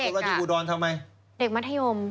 ประกฎละทิศอูดรทำไมเด็กมัธยม